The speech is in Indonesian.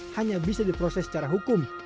hanya bisa diproses secara hukum